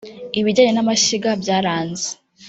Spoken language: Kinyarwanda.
Ibijyanye n’amashyiga byaranze